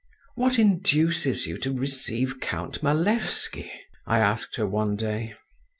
"What induces you to receive Count Malevsky?" I asked her one day.